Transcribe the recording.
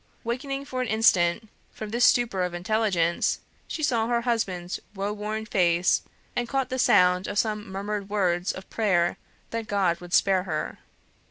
Wakening for an instant from this stupor of intelligence, she saw her husband's woe worn face, and caught the sound of some murmured words of prayer that God would spare her.